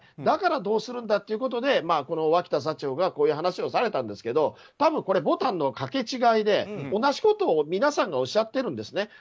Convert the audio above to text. だからどうするんだということでこの脇田座長がこういう話をされたんですけど多分これはボタンのかけ違いで同じことを皆さんがおっしゃってるんですね。